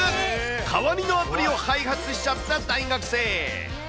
代わりのアプリを開発しちゃった大学生。